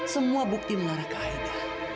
semua bukti mengarah ke aida